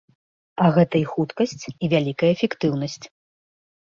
А гэта і хуткасць, і вялікая эфектыўнасць.